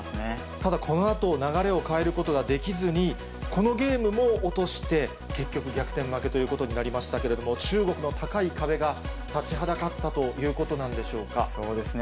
ただ、このあと、流れを変えることができずに、このゲームも落として、結局、逆転負けということになりましたけれども、中国の高い壁が立ちはだかったということなんでしょうそうですね。